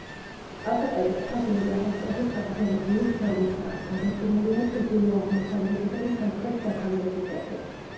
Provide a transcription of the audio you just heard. წყალსატევის ქვაბული არასწორი წაგრძელებული ფორმისაა; გადაჭიმულია ჩრდილო-აღმოსავლეთიდან სამხრეთ-დასავლეთისაკენ.